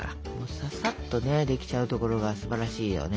ささっとできちゃうところがすばらしいよね。